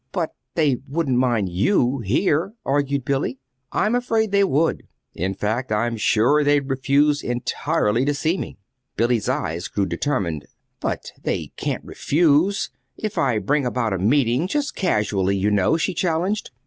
"But they wouldn't mind you here," argued Billy. "I'm afraid they would. In fact, I'm sure they'd refuse entirely to see me." Billy's eyes grew determined. "But they can't refuse if I bring about a meeting just casually, you know," she challenged.